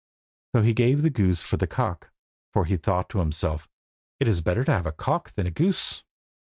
So he gave the goose for the cock, for he thought to himself "It is better to have a cock than a goose."